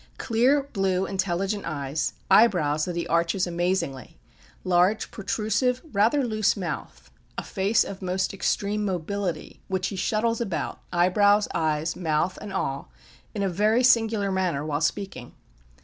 Clear, blue, intelligent eyes, eyebrows that he arches amazingly, large protrusive rather loose mouth, a face of most extreme mobility, which he shuttles about eyebrows, eyes, mouth and all in a very singular manner while speaking.